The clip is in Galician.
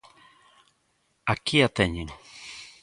Aquí a teñen.